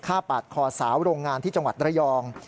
ปาดคอสาวโรงงานที่จังหวัดระยอง